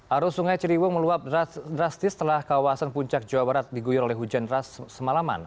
arus sungai ciliwung meluap drastis setelah kawasan puncak jawa barat diguyur oleh hujan deras semalaman